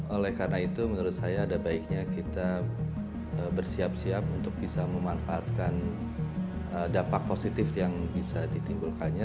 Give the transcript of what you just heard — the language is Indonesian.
oleh karena itu menurut saya ada baiknya kita bersiap siap untuk bisa memanfaatkan dampak positif yang bisa ditimbulkannya